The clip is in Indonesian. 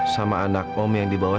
sama anak om yang dibawa